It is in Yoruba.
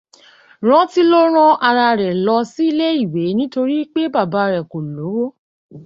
Rántí ló rán ara rẹ̀ lọ sílé ìwé nítorí pé bàbá ẹ̀ kò lówó.